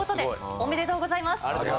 ありがとうございます。